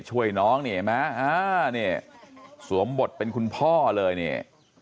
ช่วยน้องนี่เห็นไหมอ่านี่สวมบทเป็นคุณพ่อเลยเนี่ย